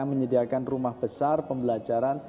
menyediakan rumah besar pembelajaran